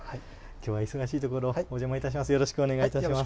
きょうは、お忙しいところお邪魔いたします。